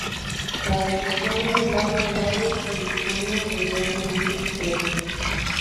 Para cruzar de lado a lado se dispone de dos bonitos puentes.